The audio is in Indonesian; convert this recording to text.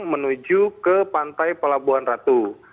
menuju ke pantai pelabuhan ratu